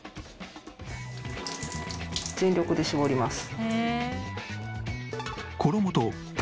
全力で絞ります。